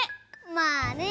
まあね。